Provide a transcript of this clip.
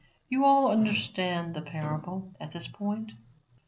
You all understand the parable at this point?